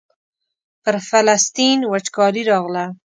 پر فلسطین وچکالي راغله.